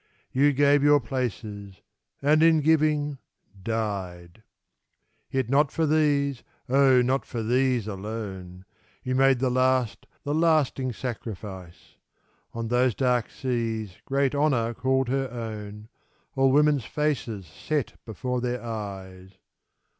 You gave your places, and in giving died ! Yet not for these, oh, not for these alone. You made the last, the lasting sacrifice ! On those dark seas great Honor called her own, All women's faces set before their eyes!